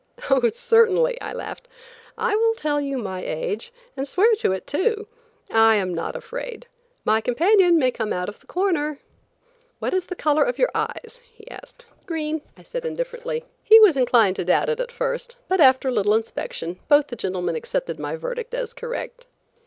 "Oh, certainly," I laughed. "I will tell you my age, swear to it, too, and I am not afraid; my companion may come out of the corner." "What is the color of your eyes?" he asked. "Green," I said indifferently. He was inclined to doubt it at first, but after a little inspection, both the gentlemen accepted my verdict as correct.